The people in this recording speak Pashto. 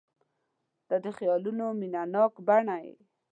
• ته د خیالونو مینهناکه بڼه یې.